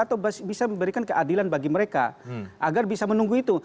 atau bisa memberikan keadilan bagi mereka agar bisa menunggu itu